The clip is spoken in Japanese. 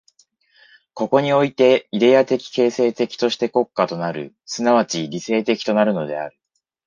ここにおいてイデヤ的形成的として国家となる、即ち理性的となるのである。